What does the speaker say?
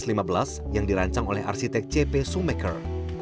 gedung ini berdiri pada seribu sembilan ratus lima belas yang dirancang oleh arsitek c p sumeker